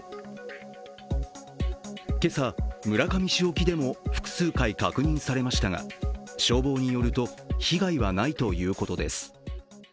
今朝、村上市沖でも複数回確認されましたが、消防によると被害はないということです。